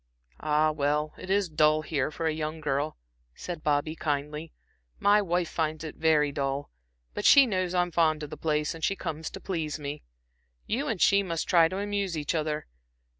"Ah, well, it is dull here for a young girl," said Bobby, kindly. "My wife finds it very dull; but she knows I'm fond of the old place, and she comes to please me. You and she must try to amuse each other.